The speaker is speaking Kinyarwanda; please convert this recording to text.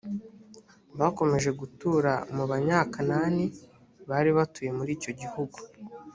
bakomeje gutura mu banyakanani bari batuye muri icyo gihugu .